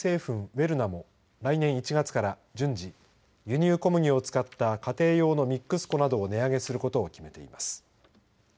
ウェルナも来年１月から順次輸入小麦を使った家庭用のミックス粉などを値上げすることを決めています。